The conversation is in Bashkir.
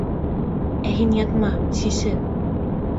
Ә һин ятма, сисен.